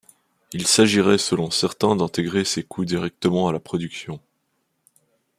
Il s'agirait selon certains, d’intégrer ces coûts directement à la production.